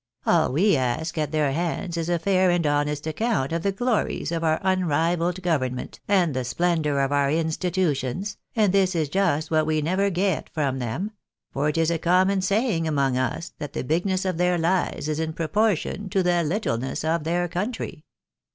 All we ask at their hands is a fair and honest account of the glories of our unrivalled government, and the splendour of our institutions, and this is just what we never get from them — for it is a common saying among us, that the big ness of their lies is in proportion to the Httleness of their country.